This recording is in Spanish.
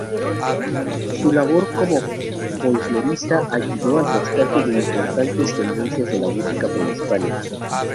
Su labor como folclorista ayudó al rescate de importantes tendencias de la música prehispánica.